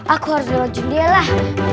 aku harus lewat jundialah